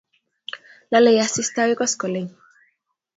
Lolei asista agoi koskoleny